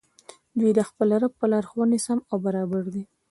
دوى د خپل رب په لارښووني سم او برابر دي